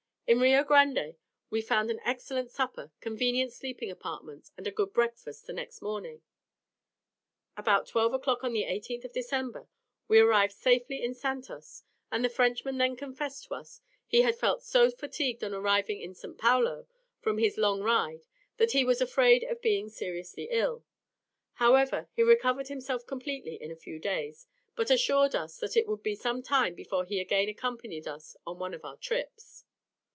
In Rio Grande we found an excellent supper, convenient sleeping apartments, and a good breakfast the next morning. About 12 o'clock on the 18th of December, we arrived safely in Santos, and the Frenchman then confessed to us he had felt so fatigued on arriving at St. Paulo, from his long ride, that he was afraid of being seriously ill. However, he recovered himself completely in a few days, but assured us, that it would be some time before he again accompanied us on one of our trips.